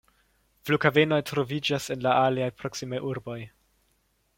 Flughavenoj troviĝas en la aliaj proksimaj urboj.